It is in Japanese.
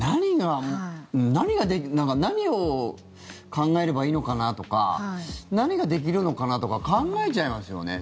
何が何を考えればいいのかなとか何ができるのかなとか考えちゃいますよね。